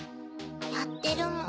やってるもん。